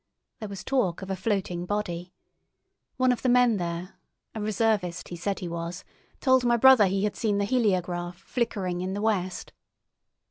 There was talk of a floating body. One of the men there, a reservist he said he was, told my brother he had seen the heliograph flickering in the west.